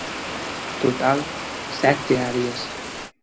Total, sete áreas.